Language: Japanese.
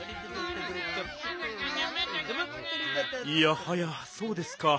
いやはやそうですか。